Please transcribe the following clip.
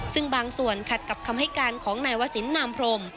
ซึ่งบางส่วนขัดกับคำให้การของนายวสินนามพรม